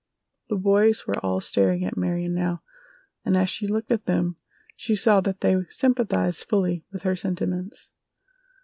The boys were all staring at Marion now, and as she looked at them she saw that they sympathized fully with her sentiments.